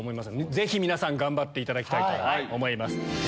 ぜひ皆さん頑張っていただきたいと思います。